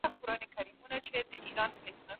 اګوستين د نړيوال حکومت نظريه درلوده.